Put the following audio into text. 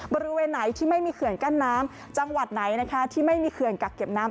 บริเวณไหนที่ไม่มีเขื่อนกั้นน้ำจังหวัดไหนนะคะที่ไม่มีเขื่อนกักเก็บน้ำ